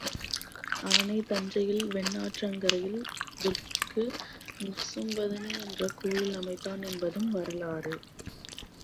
அவனே தஞ்சையில் வெண்ணாற்றங்கரையில் துர்க்கைக்கு நிசும்பசூதனி என்ற கோயில் அமைத்தான் என்பதும் வரலாறு.